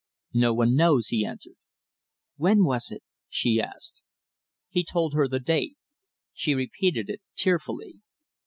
"No one knows," he answered. "When was it?" she asked. He told her the date. She repeated it tearfully.